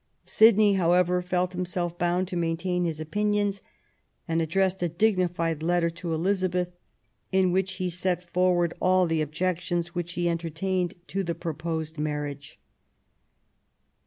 Sidney, however, felt him self bound to maintain his opinions and addressed a digniiied letter to Elizabeth, in which he set forward all the objections which he entertained to the pro posed marriage.